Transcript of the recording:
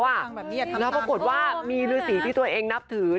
แล้วปรากฏว่ามีฤษีที่ตัวเองนับถือ